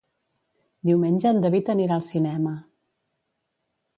Diumenge en David anirà al cinema.